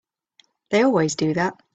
They always do that.